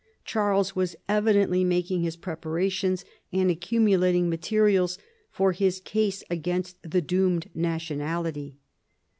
Charles was evidently making his preparations and accumulating materials for his case against the doomed nationality.